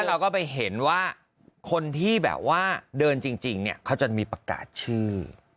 เราก็ไปเห็นว่าคนที่แบบว่าเดินจริงเนี่ยเขาจะมีประกาศชื่อ